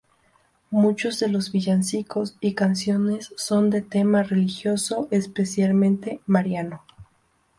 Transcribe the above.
Muchos de los villancicos y canciones son de tema religioso, especialmente mariano.